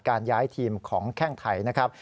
การย้ายทีมของแข้งไทยนะครับ